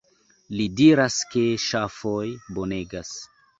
Li diras ke ŝafoj bonegas.